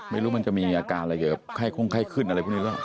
ไม่รู้มันจะมีอาการอะไรเกี่ยวกับไข้คงไข้ขึ้นอะไรพวกนี้หรือเปล่า